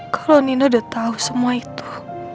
kalo nino udah tau semua itu